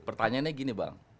pertanyaannya begini bang